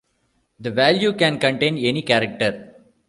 The "value" can contain any character.